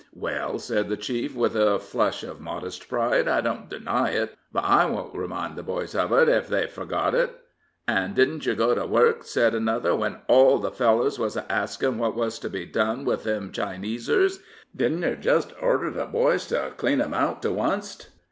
"Well," said the chief, with a flush of modest pride, "I don't deny it; but I wont remind the boys of it, ef they've forgot it." "An' didn't yer go to work," said another, "when all the fellers was a askin' what was to be done with them Chinesers didn't yer just order the boys to clean 'em out to wunst?"